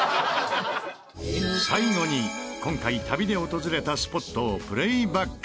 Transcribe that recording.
最後に今回旅で訪れたスポットをプレイバック。